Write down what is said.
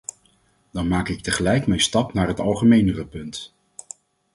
Dan maak ik tegelijk mijn stap naar het algemenere punt.